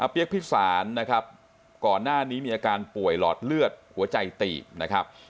เปี๊ยกพิสารนะครับก่อนหน้านี้มีอาการป่วยหลอดเลือดหัวใจตีบนะครับ